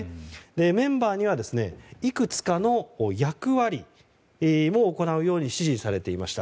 メンバーには、いくつかの役割も行うように指示されていました。